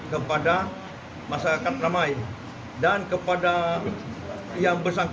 kepada masyarakat yang menyesali perbuatannya aku pribadi minta maaf yang sebesar besarnya